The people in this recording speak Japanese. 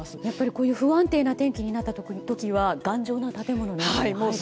こういう不安定な天気になった時は頑丈な建物に入ると？